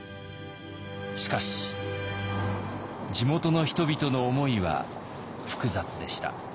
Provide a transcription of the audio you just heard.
しかし地元の人々の思いは複雑でした。